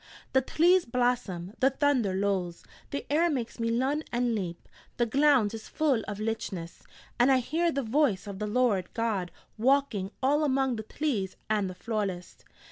The tlees blossom, the thunder lolls, the air makes me lun and leap, the glound is full of lichness, and I hear the voice of the Lord God walking all among the tlees of the folests.'